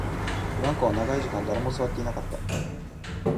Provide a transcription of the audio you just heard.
ブランコは長い時間、誰も座っていなかった